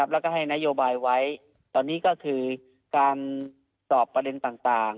แล้วก็ให้นโยบายไว้ตอนนี้ก็คือการสอบประเด็นต่าง